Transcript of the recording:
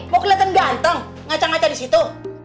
mau kelihatan ganteng ngacang ngaca di situ